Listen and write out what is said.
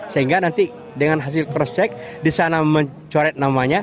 sehingga nanti dengan hasil cross check disana mencoret namanya